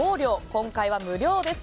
今回は無料です。